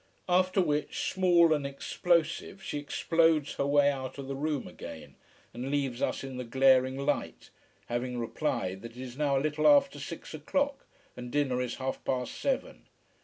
After which, small and explosive, she explodes her way out of the room again, and leaves us in the glaring light, having replied that it is now a little after six o'clock, and dinner is half past seven.